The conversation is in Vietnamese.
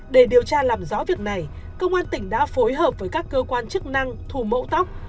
để điều tra làm rõ việc này công an tỉnh đã phối hợp với các cơ quan chức năng thu mẫu tóc